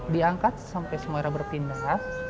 diangkat sampai semua airnya berpindah